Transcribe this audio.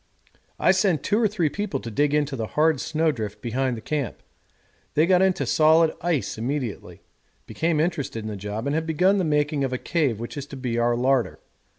I sent two or three people to dig into the hard snow drift behind the camp; they got into solid ice immediately, became interested in the job, and have begun the making of a cave which is to be our larder.